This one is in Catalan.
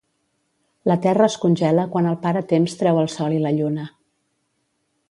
La terra es congela quan el Pare Temps treu el sol i la lluna.